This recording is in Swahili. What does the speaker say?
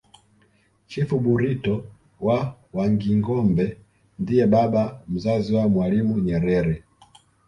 chifu burito wa wangingombe ndiye baba mzazi wa mwalimu nyerere